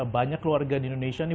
banyak keluarga di indonesia nih